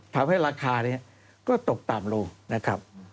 ทำให้ราคานี้ก็ตกต่ำโลค